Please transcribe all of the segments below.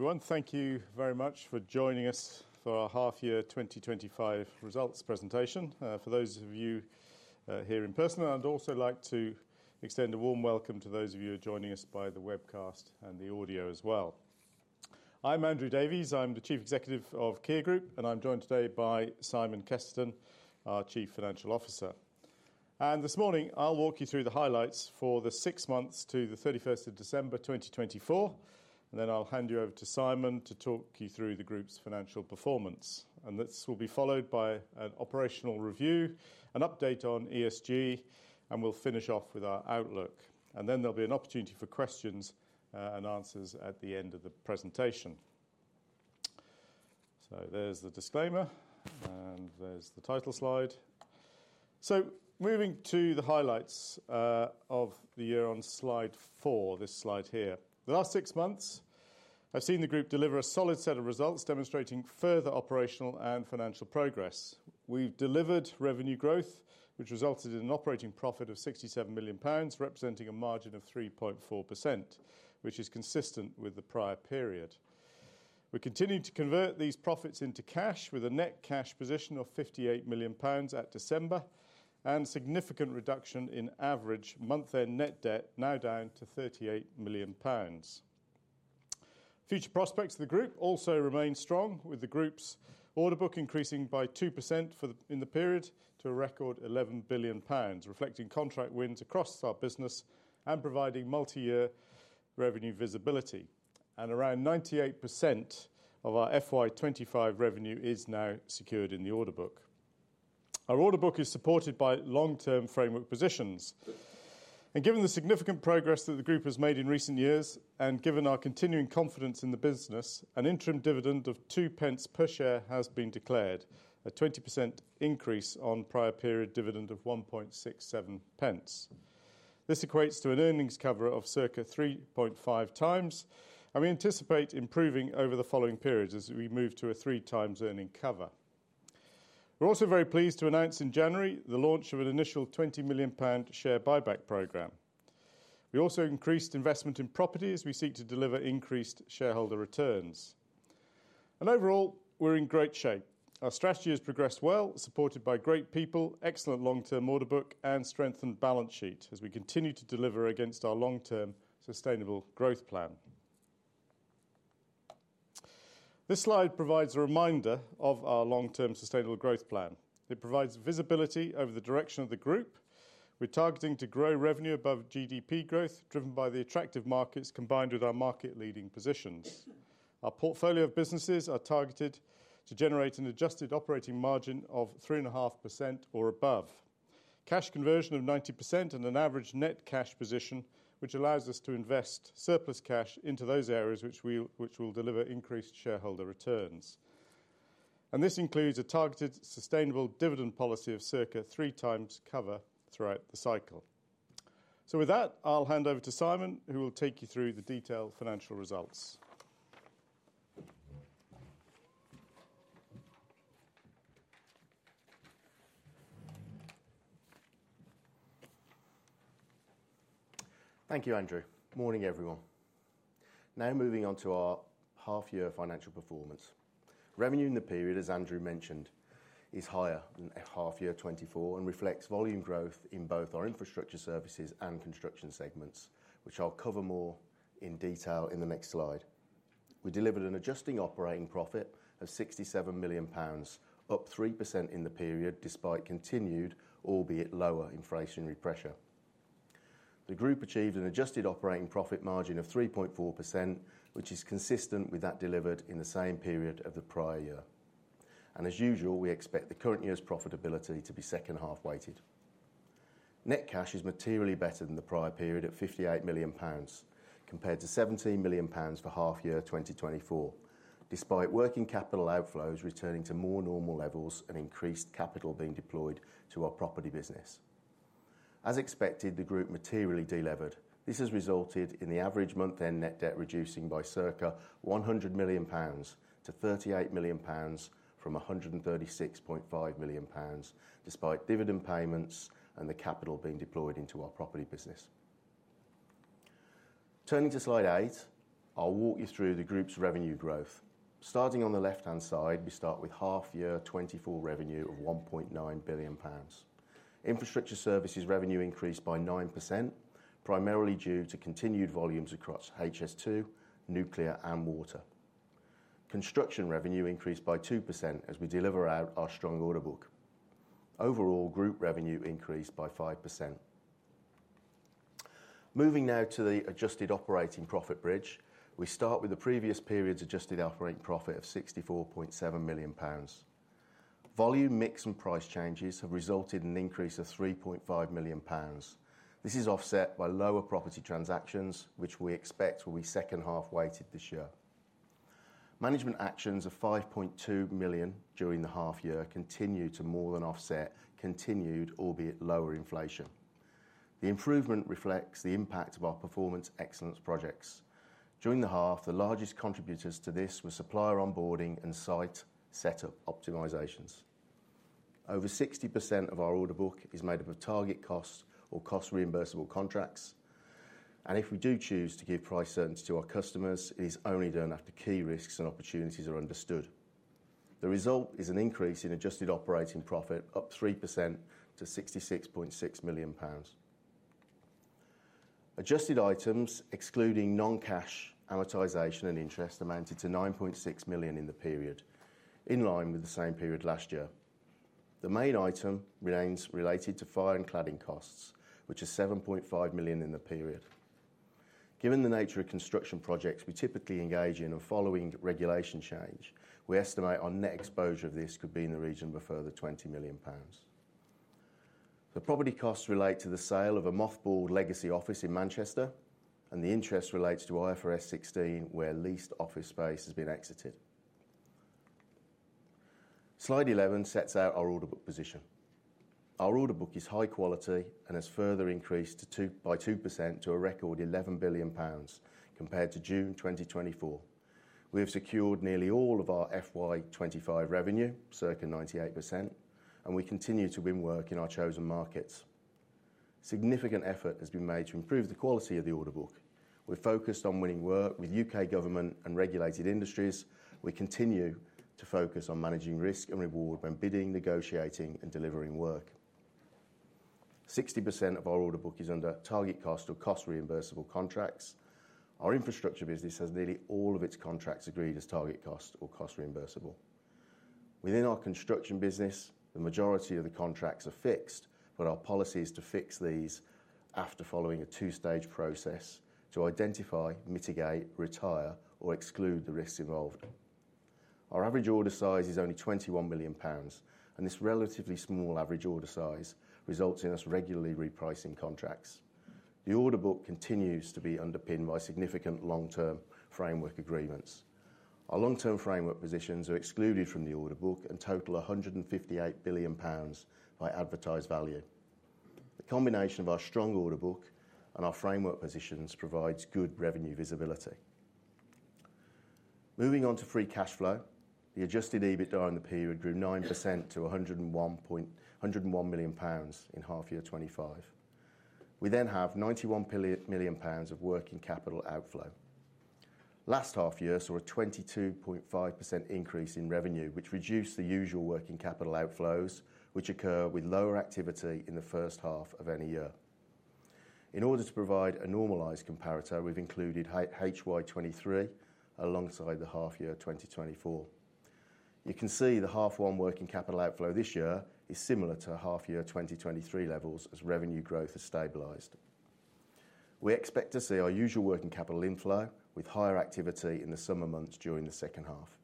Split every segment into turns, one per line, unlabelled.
Everyone, thank you very much for joining us for our half-year 2025 results presentation. For those of you here in person, I'd also like to extend a warm welcome to those of you joining us by the webcast and the audio as well. I'm Andrew Davies. I'm the Chief Executive of Kier Group, and I'm joined today by Simon Kesterton, our Chief Financial Officer. This morning, I'll walk you through the highlights for the six months to the 31st of December 2024, and then I'll hand you over to Simon to talk you through the group's financial performance. This will be followed by an operational review, an update on ESG, and we'll finish off with our outlook. There will be an opportunity for questions and answers at the end of the presentation. There's the disclaimer, and there's the title slide. Moving to the highlights of the year on slide four, this slide here. The last six months have seen the group deliver a solid set of results demonstrating further operational and financial progress. We have delivered revenue growth, which resulted in an operating profit of 67 million pounds, representing a margin of 3.4%, which is consistent with the prior period. We continued to convert these profits into cash with a net cash position of 58 million pounds at December and a significant reduction in average month-end net debt, now down to 38 million pounds. Future prospects for the group also remain strong, with the group's order book increasing by 2% in the period to a record 11 billion pounds, reflecting contract wins across our business and providing multi-year revenue visibility. Around 98% of our FY2025 revenue is now secured in the order book. Our order book is supported by long-term framework positions. Given the significant progress that the group has made in recent years, and given our continuing confidence in the business, an interim dividend of 0.02 per share has been declared, a 20% increase on prior period dividend of 1.67 pence. This equates to an earnings cover of circa 3.5x, and we anticipate improving over the following period as we move to a three-times earning cover. We are also very pleased to announce in January the launch of an initial 20 million pound share buyback program. We also increased investment in properties as we seek to deliver increased shareholder returns. Overall, we are in great shape. Our strategy has progressed well, supported by great people, excellent long-term order book, and strengthened balance sheet as we continue to deliver against our long-term sustainable growth plan. This slide provides a reminder of our long-term sustainable growth plan. It provides visibility over the direction of the group. We're targeting to grow revenue above GDP growth, driven by the attractive markets combined with our market-leading positions. Our portfolio of businesses are targeted to generate an adjusted operating margin of 3.5% or above, cash conversion of 90%, and an average net cash position, which allows us to invest surplus cash into those areas which will deliver increased shareholder returns. This includes a targeted sustainable dividend policy of circa three times cover throughout the cycle. With that, I'll hand over to Simon, who will take you through the detailed financial results.
Thank you, Andrew. Morning, everyone. Now moving on to our half-year financial performance. Revenue in the period, as Andrew mentioned, is higher than half-year 2024 and reflects volume growth in both our infrastructure services and construction segments, which I'll cover more in detail in the next slide. We delivered an adjusting operating profit of 67 million pounds, up 3% in the period despite continued, albeit lower, inflationary pressure. The group achieved an adjusted operating profit margin of 3.4%, which is consistent with that delivered in the same period of the prior year. As usual, we expect the current year's profitability to be second half-weighted. Net cash is materially better than the prior period at 58 million pounds compared to 17 million pounds for half-year 2024, despite working capital outflows returning to more normal levels and increased capital being deployed to our property business. As expected, the group materially delivered. This has resulted in the average month-end net debt reducing by circa 100 million pounds to 38 million pounds from 136.5 million pounds, despite dividend payments and the capital being deployed into our property business. Turning to slide eight, I'll walk you through the group's revenue growth. Starting on the left-hand side, we start with half-year 2024 revenue of 1.9 billion pounds. Infrastructure services revenue increased by 9%, primarily due to continued volumes across HS2, nuclear, and water. Construction revenue increased by 2% as we deliver out our strong order book. Overall, group revenue increased by 5%. Moving now to the adjusted operating profit bridge, we start with the previous period's adjusted operating profit of 64.7 million pounds. Volume, mix, and price changes have resulted in an increase of 3.5 million pounds. This is offset by lower property transactions, which we expect will be second half-weighted this year. Management actions of 5.2 million during the half-year continue to more than offset continued, albeit lower, inflation. The improvement reflects the impact of our Performance Excellence projects. During the half, the largest contributors to this were supplier onboarding and site setup optimizations. Over 60% of our order book is made up of target costs or cost-reimbursable contracts. If we do choose to give price certainty to our customers, it is only done after key risks and opportunities are understood. The result is an increase in adjusted operating profit up 3% to 66.6 million pounds. Adjusted items, excluding non-cash amortization and interest, amounted to 9.6 million in the period, in line with the same period last year. The main item remains related to fire and cladding costs, which are 7.5 million in the period. Given the nature of construction projects we typically engage in and following regulation change, we estimate our net exposure of this could be in the region of a further 20 million pounds. The property costs relate to the sale of a mothballed legacy office in Manchester, and the interest relates to IFRS 16, where leased office space has been exited. Slide 11 sets out our order book position. Our order book is high quality and has further increased by 2% to a record 11 billion pounds compared to June 2024. We have secured nearly all of our FY25 revenue, circa 98%, and we continue to win work in our chosen markets. Significant effort has been made to improve the quality of the order book. We've focused on winning work with U.K. government and regulated industries. We continue to focus on managing risk and reward when bidding, negotiating, and delivering work. 60% of our order book is under target cost or cost-reimbursable contracts. Our infrastructure business has nearly all of its contracts agreed as target cost or cost-reimbursable. Within our construction business, the majority of the contracts are fixed, but our policy is to fix these after following a two-stage process to identify, mitigate, retire, or exclude the risks involved. Our average order size is only 21 million pounds, and this relatively small average order size results in us regularly repricing contracts. The order book continues to be underpinned by significant long-term framework agreements. Our long-term framework positions are excluded from the order book and total 158 billion pounds by advertised value. The combination of our strong order book and our framework positions provides good revenue visibility. Moving on to free cash flow, the adjusted EBITDA in the period grew 9% to 101 million pounds in half-year 2025. We then have 91 million pounds of working capital outflow. Last half-year saw a 22.5% increase in revenue, which reduced the usual working capital outflows, which occur with lower activity in the first half of any year. In order to provide a normalised comparator, we've included HY 2023 alongside the half-year 2024. You can see the half-one working capital outflow this year is similar to half-year 2023 levels as revenue growth has stabilised. We expect to see our usual working capital inflow with higher activity in the summer months during the second half.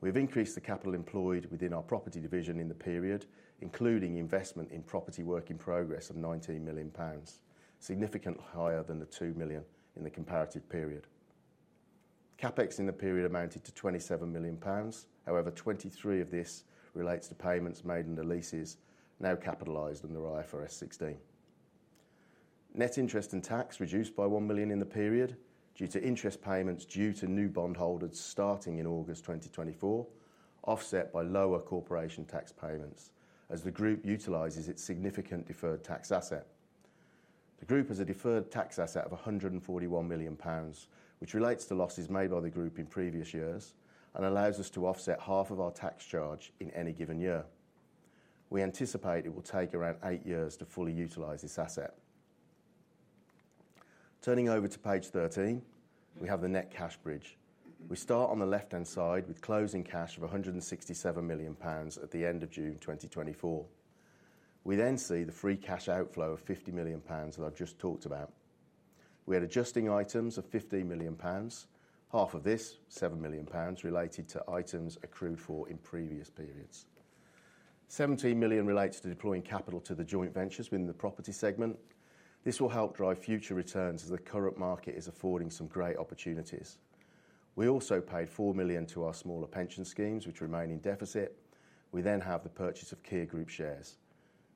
We've increased the capital employed within our property division in the period, including investment in property work in progress of 19 million pounds, significantly higher than the 2 million in the comparative period. CapEx in the period amounted to 27 million pounds. However, 23 million of this relates to payments made under leases now capitalised under IFRS 16. Net interest and tax reduced by 1 million in the period due to interest payments due to new bondholders starting in August 2024, offset by lower corporation tax payments as the group utilises its significant deferred tax asset. The group has a deferred tax asset of 141 million pounds, which relates to losses made by the group in previous years and allows us to offset half of our tax charge in any given year. We anticipate it will take around eight years to fully utilise this asset. Turning over to Page 13, we have the net cash bridge. We start on the left-hand side with closing cash of 167 million pounds at the end of June 2024. We then see the free cash outflow of 50 million pounds that I've just talked about. We had adjusting items of 15 million pounds, half of this, 7 million pounds, related to items accrued for in previous periods. 17 million relates to deploying capital to the joint ventures within the property segment. This will help drive future returns as the current market is affording some great opportunities. We also paid 4 million to our smaller pension schemes, which remain in deficit. We then have the purchase of Kier Group shares.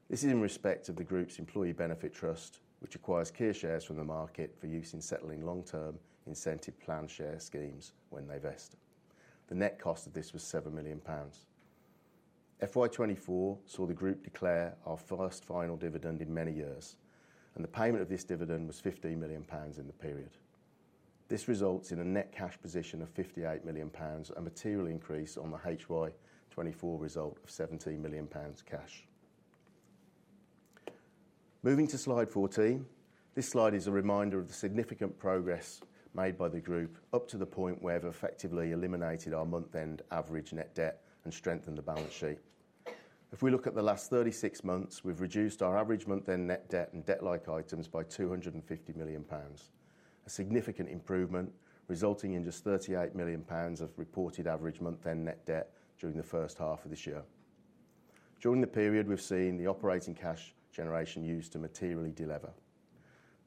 This is in respect of the group's employee benefit trust, which acquires Kier shares from the market for use in settling long-term incentive plan share schemes when they vest. The net cost of this was 7 million pounds. FY2024 saw the group declare our first final dividend in many years, and the payment of this dividend was 15 million pounds in the period. This results in a net cash position of 58 million pounds, a material increase on the HY2024 result of 17 million pounds cash. Moving to Slide 14, this slide is a reminder of the significant progress made by the group up to the point where they've effectively eliminated our month-end average net debt and strengthened the balance sheet. If we look at the last 36 months, we've reduced our average month-end net debt and debt-like items by 250 million pounds, a significant improvement resulting in just 38 million pounds of reported average month-end net debt during the first half of this year. During the period, we've seen the operating cash generation used to materially deliver.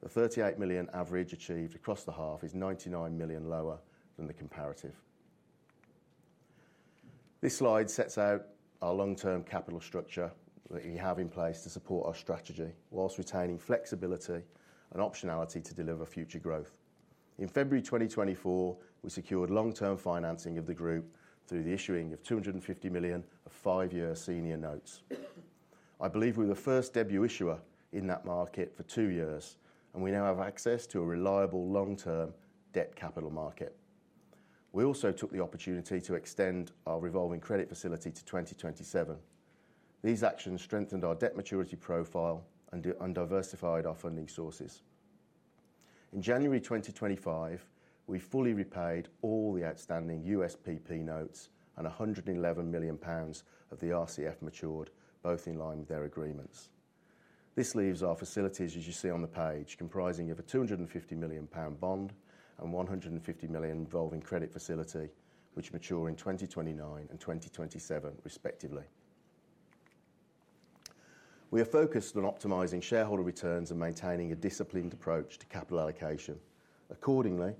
The 38 million average achieved across the half is 99 million lower than the comparative. This slide sets out our long-term capital structure that we have in place to support our strategy whilst retaining flexibility and optionality to deliver future growth. In February 2024, we secured long-term financing of the group through the issuing of 250 million of five-year senior notes. I believe we were the first debut issuer in that market for two years, and we now have access to a reliable long-term debt capital market. We also took the opportunity to extend our revolving credit facility to 2027. These actions strengthened our debt maturity profile and diversified our funding sources. In January 2025, we fully repaid all the outstanding USPP Notes and 111 million pounds of the RCF matured, both in line with their agreements. This leaves our facilities, as you see on the page, comprising of a 250 million pound bond and 150 million revolving credit facility, which mature in 2029 and 2027, respectively. We are focused on optimising shareholder returns and maintaining a disciplined approach to capital allocation. Accordingly,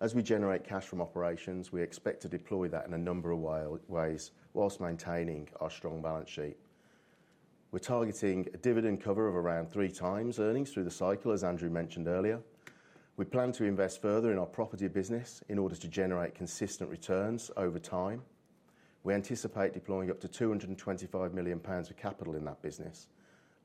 as we generate cash from operations, we expect to deploy that in a number of ways whilst maintaining our strong balance sheet. We're targeting a dividend cover of around three times earnings through the cycle, as Andrew mentioned earlier. We plan to invest further in our property business in order to generate consistent returns over time. We anticipate deploying up to 225 million pounds of capital in that business.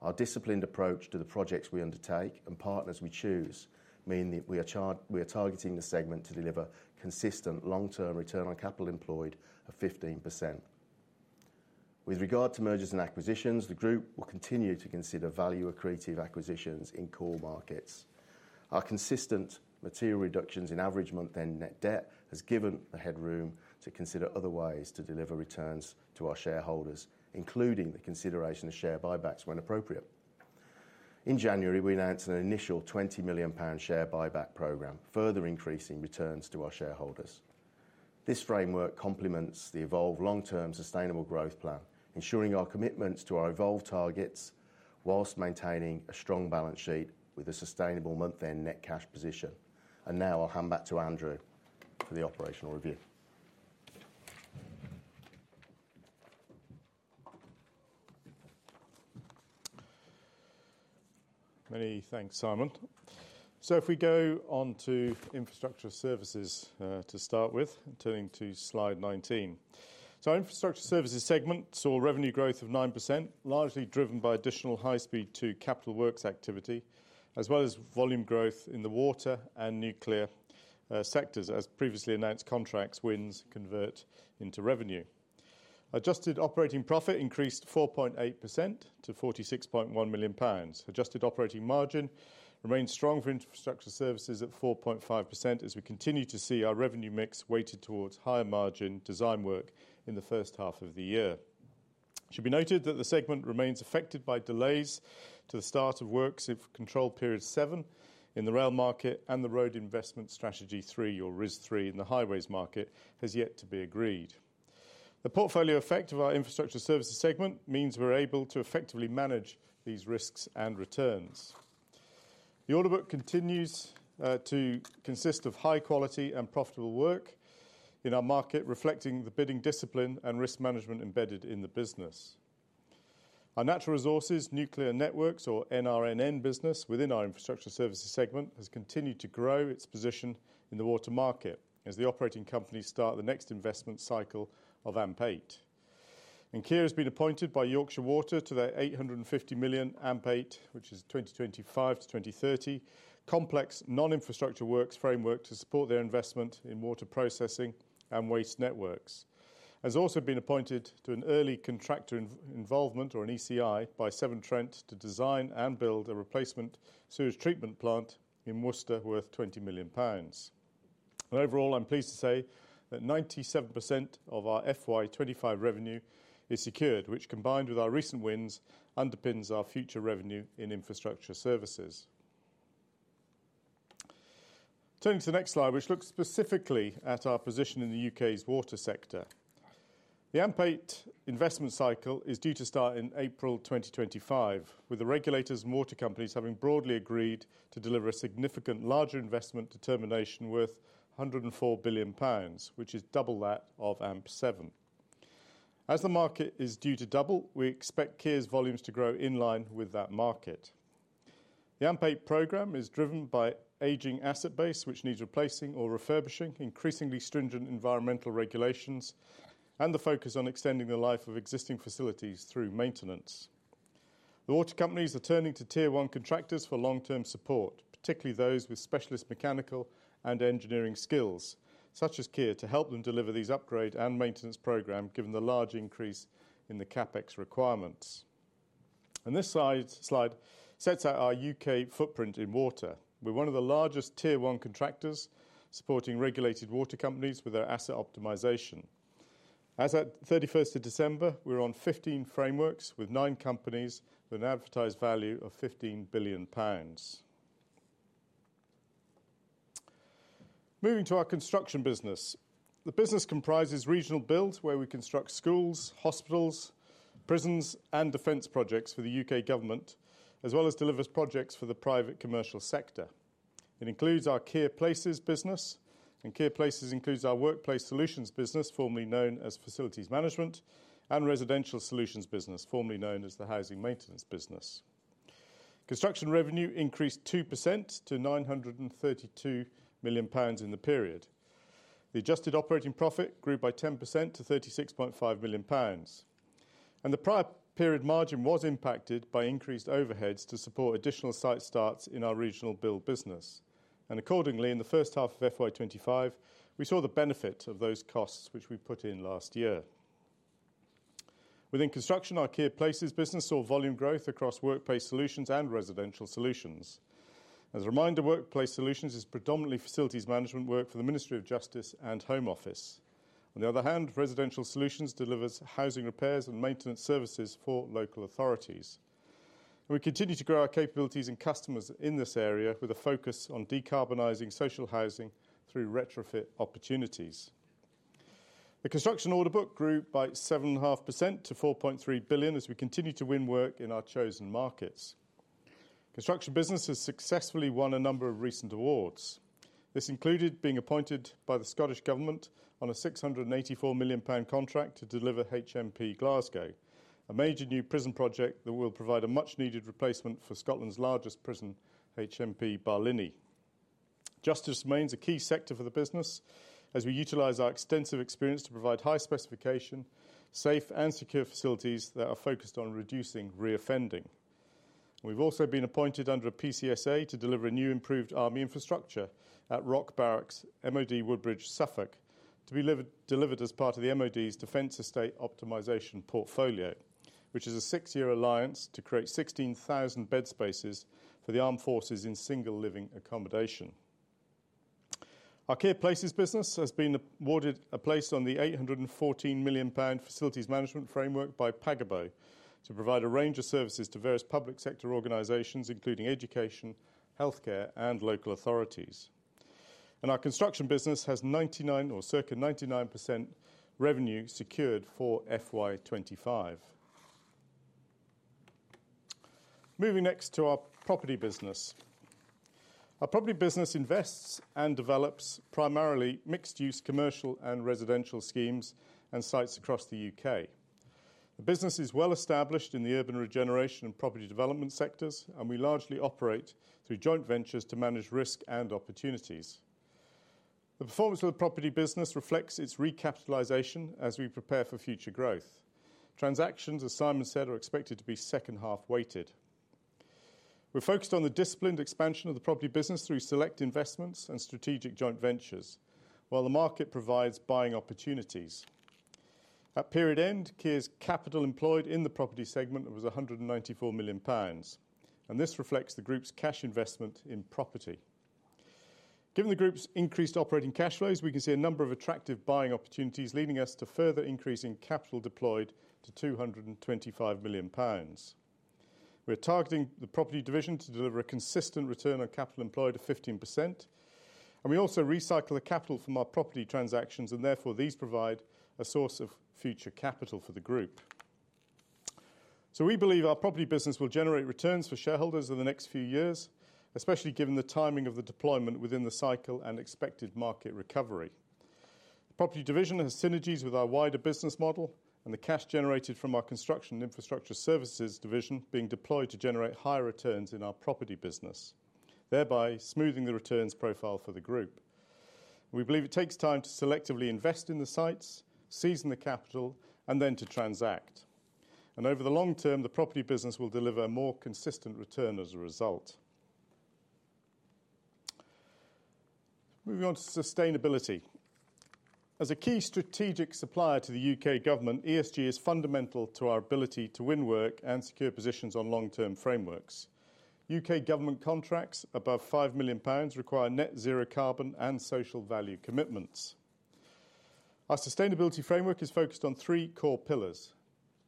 Our disciplined approach to the projects we undertake and partners we choose mean that we are targeting the segment to deliver consistent long-term return on capital employed of 15%. With regard to mergers and acquisitions, the group will continue to consider value-accretive acquisitions in core markets. Our consistent material reductions in average month-end net debt has given the headroom to consider other ways to deliver returns to our shareholders, including the consideration of share buybacks when appropriate. In January, we announced an initial 20 million pound share buyback program, further increasing returns to our shareholders. This framework complements the Evolve long-term sustainable growth plan, ensuring our commitments to our Evolve targets whilst maintaining a strong balance sheet with a sustainable month-end net cash position. Now I'll hand back to Andrew for the operational review.
Many thanks, Simon. If we go on to infrastructure services to start with, turning to slide 19. Our infrastructure services segment saw revenue growth of 9%, largely driven by additional HS2 capital works activity, as well as volume growth in the water and nuclear sectors, as previously announced contract wins convert into revenue. Adjusted operating profit increased 4.8% to 46.1 million pounds. Adjusted operating margin remained strong for infrastructure services at 4.5% as we continue to see our revenue mix weighted towards higher margin design work in the first half of the year. It should be noted that the segment remains affected by delays to the start of works if Control Period 7 in the rail market and the Road Investment Strategy 3, or RIS3, in the highways market has yet to be agreed. The portfolio effect of our infrastructure services segment means we're able to effectively manage these risks and returns. The order book continues to consist of high-quality and profitable work in our market, reflecting the bidding discipline and risk management embedded in the business. Our Natural Resources, Nuclear & Networks, or NRNN business within our infrastructure services segment, has continued to grow its position in the water market as the operating companies start the next investment cycle of AMP8. Kier has been appointed by Yorkshire Water to their 850 million AMP8, which is 2025 to 2030, complex non-infrastructure works framework to support their investment in water processing and waste networks. Kier has also been appointed to an early contractor involvement, or an ECI, by Severn Trent to design and build a replacement sewage treatment plant in Worcester worth 20 million pounds. Overall, I'm pleased to say that 97% of our FY25 revenue is secured, which combined with our recent wins underpins our future revenue in infrastructure services. Turning to the next slide, which looks specifically at our position in the U.K.'s water sector. The AMP8 investment cycle is due to start in April 2025, with the regulators and water companies having broadly agreed to deliver a significantly larger investment determination worth 104 billion pounds, which is double that of AMP7. As the market is due to double, we expect Kier's volumes to grow in line with that market. The AMP8 program is driven by aging asset base, which needs replacing or refurbishing, increasingly stringent environmental regulations, and the focus on extending the life of existing facilities through maintenance. The water companies are turning to tier one contractors for long-term support, particularly those with specialist mechanical and engineering skills such as Kier, to help them deliver these upgrade and maintenance programs, given the large increase in the CapEx requirements. This slide sets out our U.K. footprint in water. We're one of the largest tier one contractors supporting regulated water companies with their asset optimization. As of 31st of December, we're on 15 frameworks with nine companies with an advertised value of 15 billion pounds. Moving to our construction business, the business comprises regional builds where we construct schools, hospitals, prisons, and defense projects for the U.K. government, as well as delivers projects for the private commercial sector. It includes our Kier Places business, and Kier Places includes our Workplace Solutions business, formerly known as Facilities Management, and Residential Solutions business, formerly known as the Housing Maintenance business. Construction revenue increased 2% to 932 million pounds in the period. The adjusted operating profit grew by 10% to 36.5 million pounds. The prior period margin was impacted by increased overheads to support additional site starts in our regional build business. Accordingly, in the first half of FY2025, we saw the benefit of those costs which we put in last year. Within construction, our Kier Places business saw volume growth across workplace solutions and residential solutions. As a reminder, workplace solutions is predominantly facilities management work for the Ministry of Justice and Home Office. On the other hand, residential solutions delivers housing repairs and maintenance services for local authorities. We continue to grow our capabilities and customers in this area with a focus on decarbonizing social housing through retrofit opportunities. The construction order book grew by 7.5% to 4.3 billion as we continue to win work in our chosen markets. Construction business has successfully won a number of recent awards. This included being appointed by the Scottish Government on a 684 million pound contract to deliver HMP Glasgow, a major new prison project that will provide a much-needed replacement for Scotland's largest prison, HMP Barlinnie. Justice remains a key sector for the business as we utilize our extensive experience to provide high specification, safe and secure facilities that are focused on reducing reoffending. We've also been appointed under a PCSA to deliver a new improved army infrastructure at Rock Barracks, MOD Woodbridge, Suffolk, to be delivered as part of the MOD's Defence Estate Optimisation Portfolio, which is a six-year alliance to create 16,000 bed spaces for the armed forces in single living accommodation. Our Kier Places business has been awarded a place on the 814 million pound facilities management framework by Pagabo to provide a range of services to various public sector organizations, including education, healthcare, and local authorities. Our construction business has 99 or circa 99% revenue secured for FY25. Moving next to our property business. Our property business invests and develops primarily mixed-use commercial and residential schemes and sites across the U.K. The business is well established in the urban regeneration and property development sectors, and we largely operate through joint ventures to manage risk and opportunities. The performance of the property business reflects its recapitalization as we prepare for future growth. Transactions, as Simon said, are expected to be second half weighted. We're focused on the disciplined expansion of the property business through select investments and strategic joint ventures, while the market provides buying opportunities. At period end, Kier's capital employed in the property segment was 194 million pounds, and this reflects the group's cash investment in property. Given the group's increased operating cash flows, we can see a number of attractive buying opportunities leading us to further increasing capital deployed to 225 million pounds. We're targeting the property division to deliver a consistent return on capital employed of 15%, and we also recycle the capital from our property transactions, and therefore these provide a source of future capital for the group. We believe our property business will generate returns for shareholders in the next few years, especially given the timing of the deployment within the cycle and expected market recovery. The property division has synergies with our wider business model and the cash generated from our construction and infrastructure services division being deployed to generate higher returns in our property business, thereby smoothing the returns profile for the group. We believe it takes time to selectively invest in the sites, season the capital, and then to transact. Over the long term, the property business will deliver a more consistent return as a result. Moving on to sustainability. As a key strategic supplier to the U.K. government, ESG is fundamental to our ability to win work and secure positions on long-term frameworks. U.K. government contracts above 5 million pounds require net zero carbon and social value commitments. Our sustainability framework is focused on three core pillars: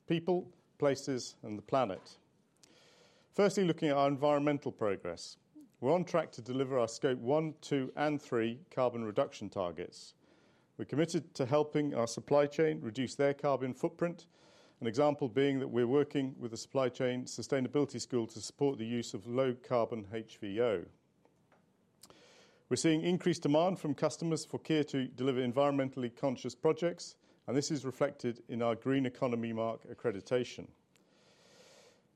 people, places, and the planet. Firstly, looking at our environmental progress, we're on track to deliver our scope one, two, and three carbon reduction targets. We're committed to helping our supply chain reduce their carbon footprint, an example being that we're working with the Supply Chain Sustainability School to support the use of low carbon HVO. We're seeing increased demand from customers for Kier to deliver environmentally conscious projects, and this is reflected in our Green Economy Mark accreditation.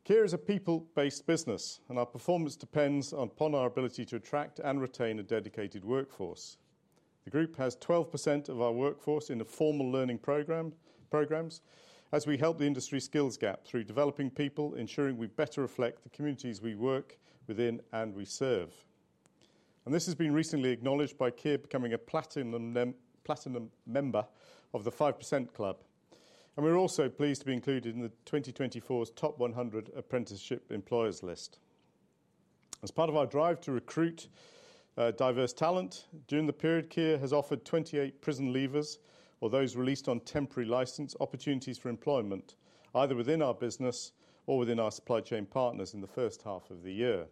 Kier is a people-based business, and our performance depends upon our ability to attract and retain a dedicated workforce. The group has 12% of our workforce in a formal learning program as we help the industry skills gap through developing people, ensuring we better reflect the communities we work within and we serve. This has been recently acknowledged by Kier becoming a Platinum member of the 5% Club. We are also pleased to be included in the 2024 top 100 apprenticeship employers list. As part of our drive to recruit diverse talent, during the period, Kier has offered 28 prison leavers or those released on temporary licence opportunities for employment, either within our business or within our supply chain partners in the first half of the year.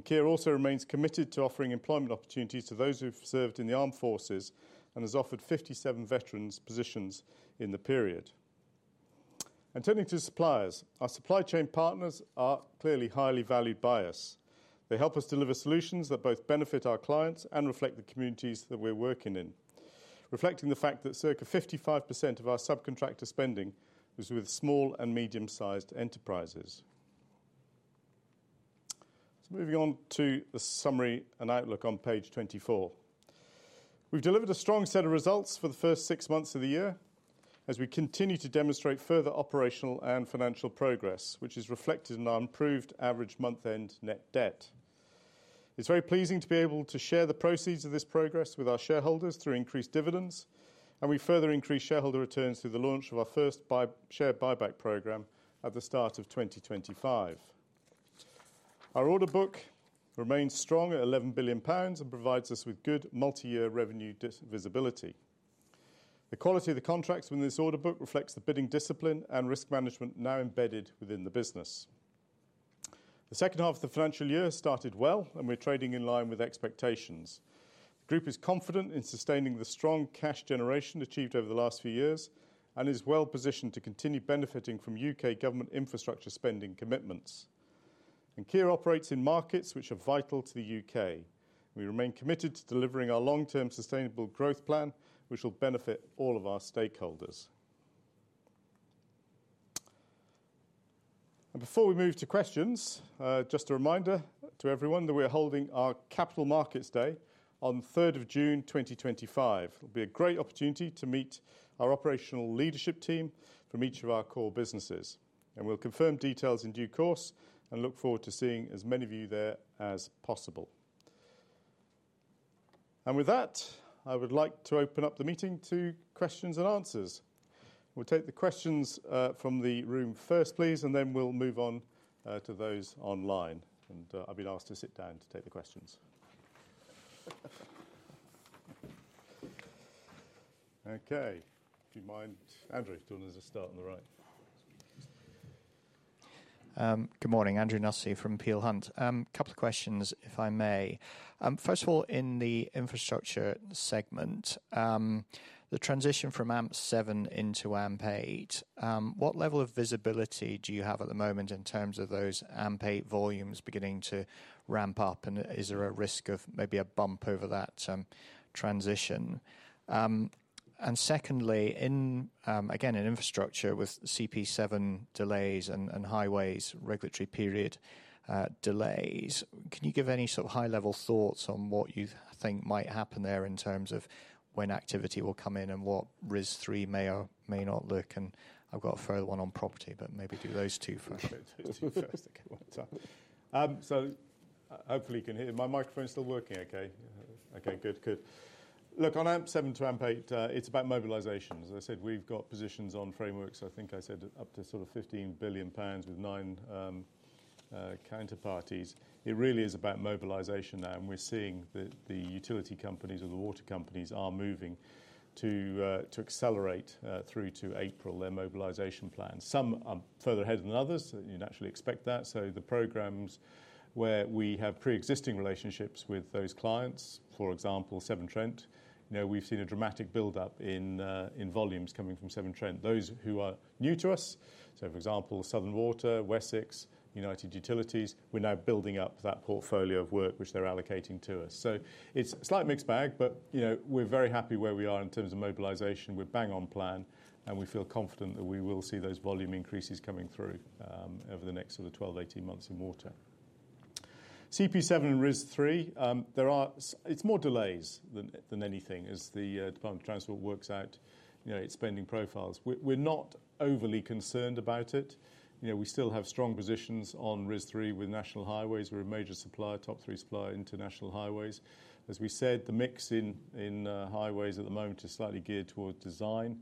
Kier also remains committed to offering employment opportunities to those who have served in the armed forces and has offered 57 veterans positions in the period. Turning to suppliers, our supply chain partners are clearly highly valued by us. They help us deliver solutions that both benefit our clients and reflect the communities that we are working in, reflecting the fact that circa 55% of our subcontractor spending is with small and medium-sized enterprises. Moving on to the summary and outlook on Page 24. We've delivered a strong set of results for the first six months of the year as we continue to demonstrate further operational and financial progress, which is reflected in our improved average month-end net debt. It's very pleasing to be able to share the proceeds of this progress with our shareholders through increased dividends, and we further increase shareholder returns through the launch of our first share buyback program at the start of 2025. Our order book remains strong at 11 billion pounds and provides us with good multi-year revenue visibility. The quality of the contracts within this order book reflects the bidding discipline and risk management now embedded within the business. The second half of the financial year started well, and we're trading in line with expectations. The group is confident in sustaining the strong cash generation achieved over the last few years and is well positioned to continue benefiting from U.K. government infrastructure spending commitments. Kier operates in markets which are vital to the U.K. We remain committed to delivering our long-term sustainable growth plan, which will benefit all of our stakeholders. Before we move to questions, just a reminder to everyone that we are holding our Capital Markets Day on 3rd of June 2025. It'll be a great opportunity to meet our operational leadership team from each of our core businesses. We'll confirm details in due course and look forward to seeing as many of you there as possible. With that, I would like to open up the meeting to questions and answers. We'll take the questions from the room first, please, and then we'll move on to those online. I've been asked to sit down to take the questions. Okay. If you mind, Andrew, do you want to start on the right?
Good morning, Andrew Nussey from Peel Hunt. A couple of questions, if I may. First of all, in the infrastructure segment, the transition from AMP7 into AMP8, what level of visibility do you have at the moment in terms of those AMP8 volumes beginning to ramp up? Is there a risk of maybe a bump over that transition? Secondly, again, in infrastructure with CP7 delays and highways regulatory period delays, can you give any sort of high-level thoughts on what you think might happen there in terms of when activity will come in and what RIS3 may or may not look? I've got a further one on property, but maybe do those two first. Hopefully you can hear me.
My microphone's still working, okay? Okay, good, good. Look, on AMP7 to AMP8, it's about mobilisation. As I said, we've got positions on frameworks, I think I said, up to sort of 15 billion pounds with nine counterparties. It really is about mobilisation now, and we're seeing that the utility companies or the water companies are moving to accelerate through to April their mobilisation plan. Some are further ahead than others, you naturally expect that. The programs where we have pre-existing relationships with those clients, for example, Severn Trent, we've seen a dramatic build-up in volumes coming from Severn Trent. Those who are new to us, for example, Southern Water, Wessex, United Utilities, we're now building up that portfolio of work which they're allocating to us. It's a slight mixed bag, but we're very happy where we are in terms of mobilisation. We're bang on plan, and we feel confident that we will see those volume increases coming through over the next sort of 12-18 months in water. CP7 and RIS3, there are more delays than anything as the Department for Transport works out its spending profiles. We're not overly concerned about it. We still have strong positions on RIS3 with National Highways. We're a major supplier, top three supplier into National Highways. As we said, the mix in highways at the moment is slightly geared towards design,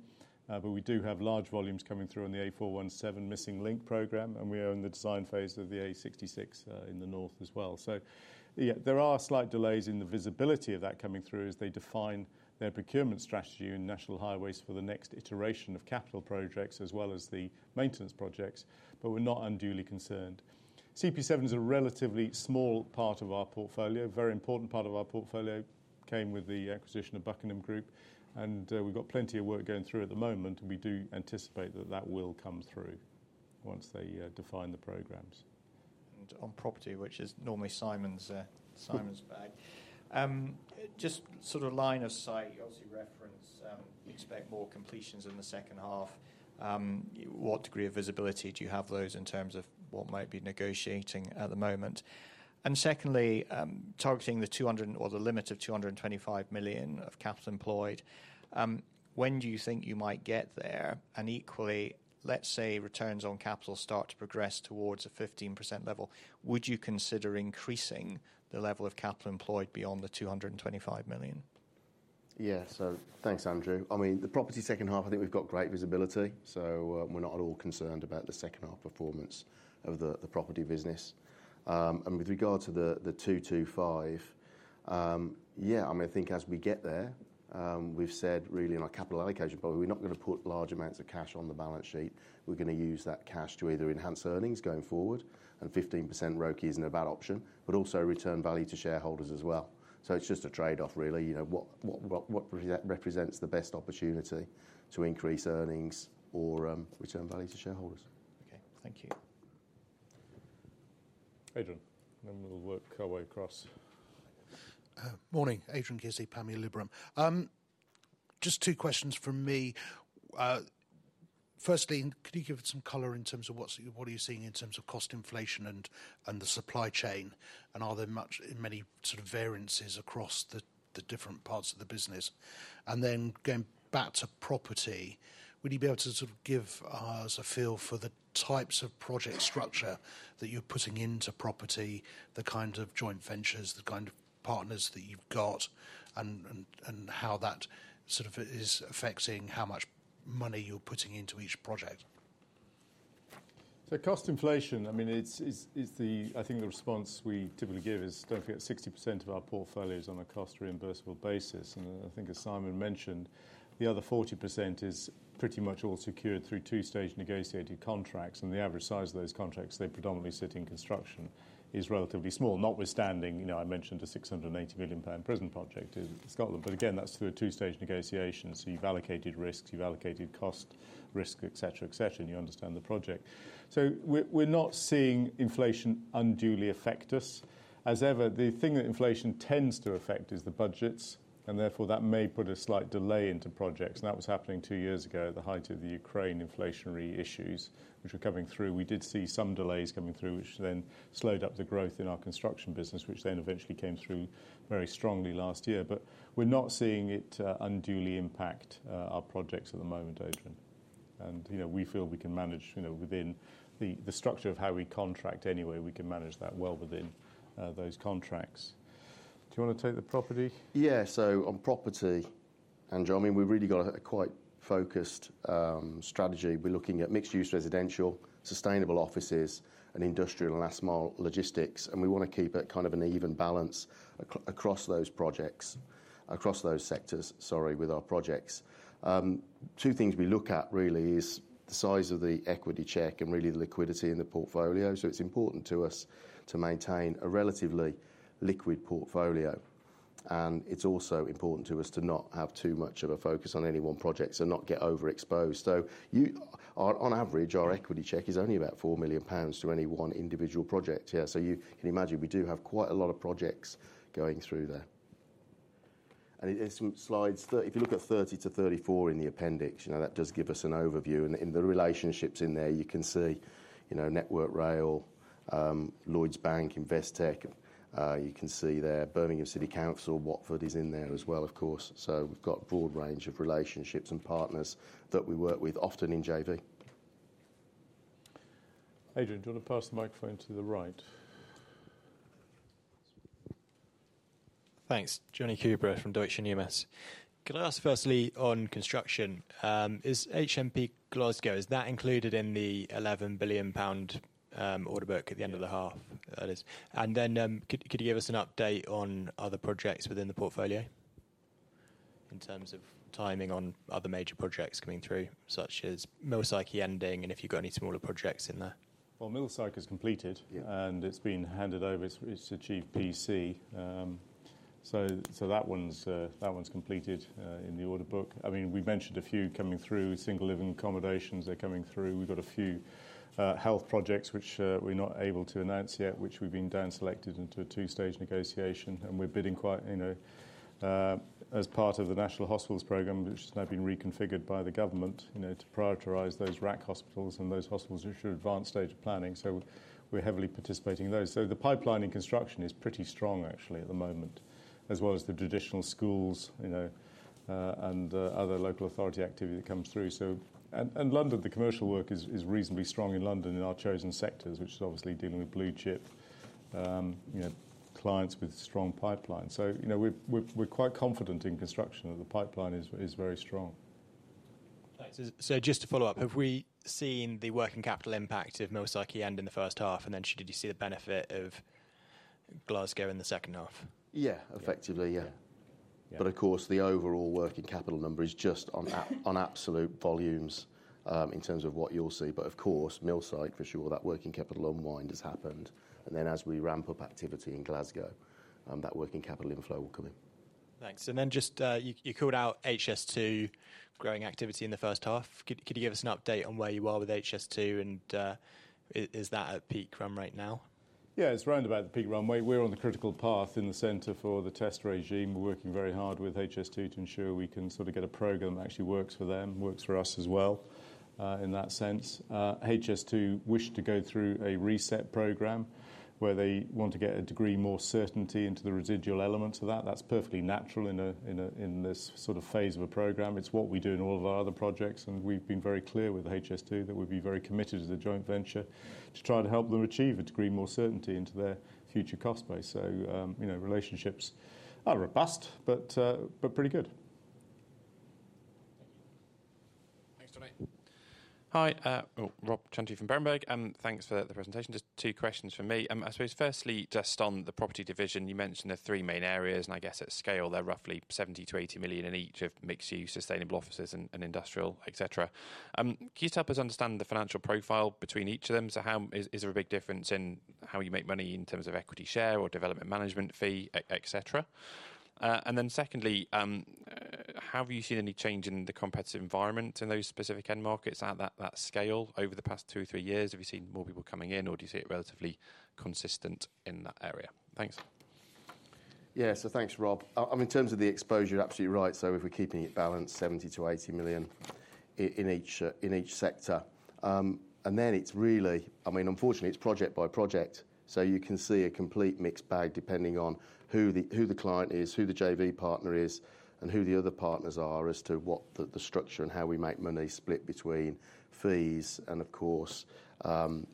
but we do have large volumes coming through on the A417 Missing Link program, and we are in the design phase of the A66 in the north as well. There are slight delays in the visibility of that coming through as they define their procurement strategy in National Highways for the next iteration of capital projects as well as the maintenance projects, but we're not unduly concerned. CP7 is a relatively small part of our portfolio, a very important part of our portfolio, came with the acquisition of Buckingham Group, and we've got plenty of work going through at the moment, and we do anticipate that that will come through once they define the programs.
On property, which is normally Simon's bag, just sort of line of sight, obviously reference, expect more completions in the second half. What degree of visibility do you have those in terms of what might be negotiating at the moment? Secondly, targeting the limit of 225 million of capital employed, when do you think you might get there? Equally, let's say returns on capital start to progress towards a 15% level, would you consider increasing the level of capital employed beyond the 225 million?
Yeah, thanks, Andrew. I mean, the property second half, I think we've got great visibility, so we're not at all concerned about the second half performance of the property business. With regard to the 225 million, yeah, I mean, I think as we get there, we've said really in our capital allocation, but we're not going to put large amounts of cash on the balance sheet. We're going to use that cash to either enhance earnings going forward, and 15% ROCE isn't a bad option, but also return value to shareholders as well. It's just a trade-off, really. What represents the best opportunity to increase earnings or return value to shareholders?
Okay, thank you.
Adrian, and then we'll work our way across.
Morning, Adrian Kearsey, Panmure Liberum. Just two questions from me. Firstly, could you give it some color in terms of what are you seeing in terms of cost inflation and the supply chain, and are there many sort of variances across the different parts of the business? Going back to property, would you be able to sort of give us a feel for the types of project structure that you're putting into property, the kind of joint ventures, the kind of partners that you've got, and how that sort of is affecting how much money you're putting into each project?
Cost inflation, I mean, I think the response we typically give is, don't forget, 60% of our portfolio is on a cost reimbursable basis. I think, as Simon mentioned, the other 40% is pretty much all secured through two-stage negotiated contracts. The average size of those contracts, they predominantly sit in construction, is relatively small, notwithstanding I mentioned a 680 million present project in Scotland. That is through a two-stage negotiation. You have allocated risks, you have allocated cost, risk, etc., etc., and you understand the project. We are not seeing inflation unduly affect us. As ever, the thing that inflation tends to affect is the budgets, and therefore that may put a slight delay into projects. That was happening two years ago at the height of the Ukraine inflationary issues, which were coming through. We did see some delays coming through, which then slowed up the growth in our construction business, which then eventually came through very strongly last year. We're not seeing it unduly impact our projects at the moment, Adrian. We feel we can manage within the structure of how we contract anyway, we can manage that well within those contracts. Do you want to take the property?
Yeah, so on property, Andrew, I mean, we've really got a quite focused strategy. We're looking at mixed-use residential, sustainable offices, and industrial and last-mile logistics. We want to keep it kind of an even balance across those projects, across those sectors, sorry, with our projects. Two things we look at really is the size of the equity check and really the liquidity in the portfolio. It's important to us to maintain a relatively liquid portfolio. It's also important to us to not have too much of a focus on any one project and not get overexposed. On average, our equity check is only about 4 million pounds to any one individual project. Yeah, you can imagine we do have quite a lot of projects going through there. It is slides 30. If you look at 30 to 34 in the appendix, that does give us an overview. In the relationships in there, you can see Network Rail, Lloyds Bank, Investec. You can see there, Birmingham City Council, Watford is in there as well, of course. We have a broad range of relationships and partners that we work with, often in JV.
Adrian, do you want to pass the microphone to the right?
Thanks. Jonny Coubrough from Deutsche Numis. Can I ask firstly on construction, is HMP Glasgow, is that included in the 11 billion pound order book at the end of the half? Could you give us an update on other projects within the portfolio in terms of timing on other major projects coming through, such as HMP Millsike ending and if you've got any smaller projects in there?
HMP Millsike is completed and it's been handed over to HMPPS. That one's completed in the order book. I mean, we mentioned a few coming through, single living accommodations are coming through. We've got a few health projects which we're not able to announce yet, which we've been down-selected into a two-stage negotiation. We're bidding quite as part of the National Hospitals Program, which has now been reconfigured by the government to prioritize those RAAC hospitals and those hospitals that should advance stage of planning. We're heavily participating in those. The pipeline in construction is pretty strong, actually, at the moment, as well as the traditional schools and other local authority activity that comes through. In London, the commercial work is reasonably strong in London in our chosen sectors, which is obviously dealing with blue chip clients with strong pipelines. We are quite confident in construction that the pipeline is very strong.
Thanks. Just to follow up, have we seen the working capital impact of Millsike end in the first half? Did you see the benefit of Glasgow in the second half?
Yeah, effectively, yeah. Of course, the overall working capital number is just on absolute volumes in terms of what you'll see. Of course, Millsike for sure, that working capital unwind has happened. As we ramp up activity in Glasgow, that working capital inflow will come in.
Thanks. You called out HS2 growing activity in the first half. Could you give us an update on where you are with HS2 and is that at peak run right now?
Yeah, it's round about the peak run. We're on the critical path in the centre for the test regime. We're working very hard with HS2 to ensure we can sort of get a program that actually works for them, works for us as well in that sense. HS2 wished to go through a reset program where they want to get a degree more certainty into the residual elements of that. That's perfectly natural in this sort of phase of a program. It's what we do in all of our other projects. We've been very clear with HS2 that we've been very committed to the joint venture to try to help them achieve a degree more certainty into their future cost base. Relationships are robust, but pretty good.
Thanks, Andrew.
Hi, Rob Chantry from Berenberg. Thanks for the presentation. Just two questions for me. I suppose firstly, just on the property division, you mentioned there are three main areas, and I guess at scale, they're roughly 70 million-80 million in each of mixed-use, sustainable offices, and industrial, etc. Can you help us understand the financial profile between each of them? Is there a big difference in how you make money in terms of equity share or development management fee, etc.? Secondly, have you seen any change in the competitive environment in those specific end markets at that scale over the past two or three years? Have you seen more people coming in, or do you see it relatively consistent in that area? Thanks.
Yeah, so thanks, Rob. I mean, in terms of the exposure, you're absolutely right. If we're keeping it balanced, 70 million-80 million in each sector. Then it's really, I mean, unfortunately, it's project by project. You can see a complete mixed bag depending on who the client is, who the JV partner is, and who the other partners are as to what the structure and how we make money split between fees and, of course,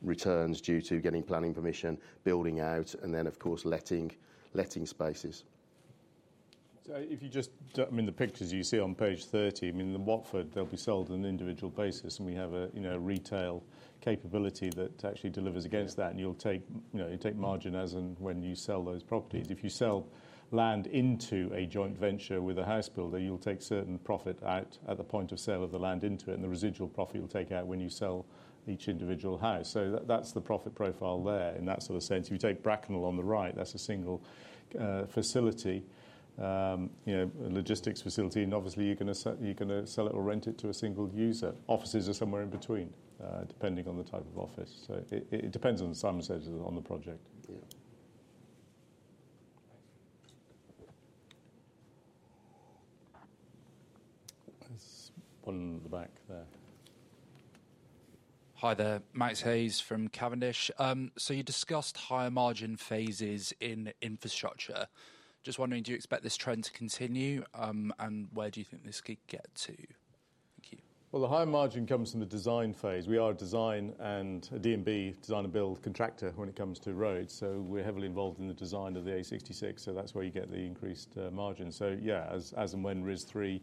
returns due to getting planning permission, building out, and then, of course, letting spaces.
If you just, I mean, the pictures you see on Page 30, the Watford, they'll be sold on an individual basis, and we have a retail capability that actually delivers against that. You'll take margin as and when you sell those properties. If you sell land into a joint venture with a house builder, you'll take certain profit out at the point of sale of the land into it, and the residual profit you'll take out when you sell each individual house. That's the profit profile there in that sort of sense. If you take Bracknell on the right, that's a single facility, a logistics facility. Obviously, you're going to sell it or rent it to a single user. Offices are somewhere in between, depending on the type of office. It depends on what Simon says on the project. One in the back there.
Hi there, Max Hayes from Cavendish. You discussed higher margin phases in infrastructure. Just wondering, do you expect this trend to continue, and where do you think this could get to? Thank you.
The higher margin comes from the design phase. We are a design and a D&B design and build contractor when it comes to roads. We are heavily involved in the design of the A66. That is where you get the increased margin. As and when RIS3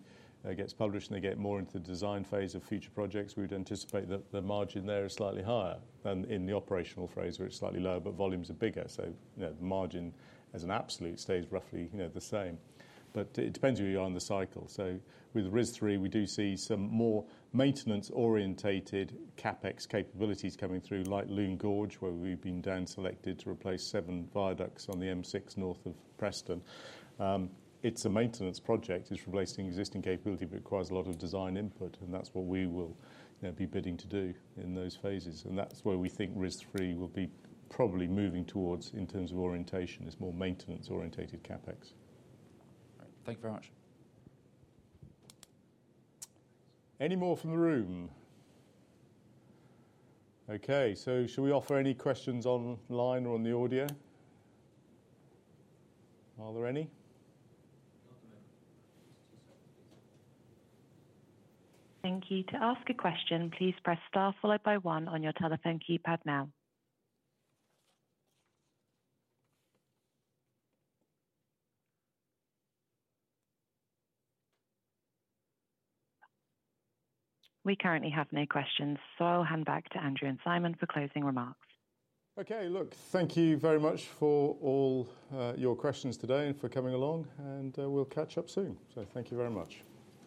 gets published and they get more into the design phase of future projects, we would anticipate that the margin there is slightly higher than in the operational phase, where it is slightly lower, but volumes are bigger. The margin as an absolute stays roughly the same. It depends who you are on the cycle. With RIS3, we do see some more maintenance-orientated CapEx capabilities coming through, like Lune Gorge, where we have been down-selected to replace seven viaducts on the M6 north of Preston. It is a maintenance project. It is replacing existing capability, but it requires a lot of design input. That is what we will be bidding to do in those phases. That is where we think RIS3 will be probably moving towards in terms of orientation. It is more maintenance-orientated CapEx.
Thank you very much.
Any more from the room? Okay, should we offer any questions online or on the audio? Are there any? Thank you.
To ask a question, please press star followed by one on your telephone keypad now. We currently have no questions, so I will hand back to Andrew and Simon for closing remarks.
Okay, look, thank you very much for all your questions today and for coming along. We will catch up soon. Thank you very much.